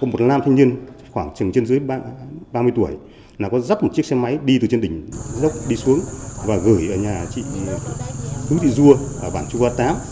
có một nam thanh niên khoảng trên dưới ba mươi tuổi nó có dắt một chiếc xe máy đi từ trên đỉnh dốc đi xuống và gửi ở nhà chị hữu thị dua ở bản trung hoa tám